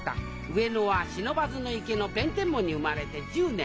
上野は不忍池の弁天門に生まれて１０年。